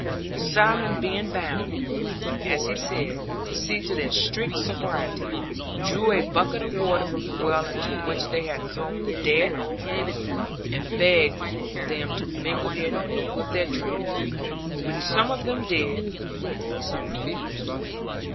But Simon being bound, as he said, to see to their strict sobriety, drew a bucket of water from the well into which they had thrown the dead owner, and begged them to mingle it with their drink; which some of them did, and some refused.